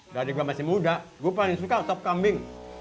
dari gue masih muda gue paling suka otak kambing